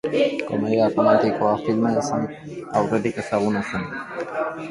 Komedia erromantikoa filma izan aurretik ezaguna zen.